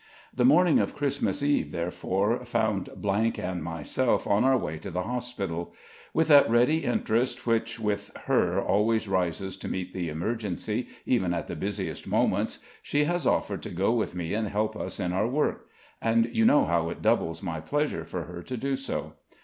The morning of Christmas Eve, therefore, found and myself on our way to the hospital. With that ready interest which, with her, always rises to meet the emergency, even at the busiest moments, she has offered to go with me and help us in our work; and you know how it doubles my pleasure for her to do so.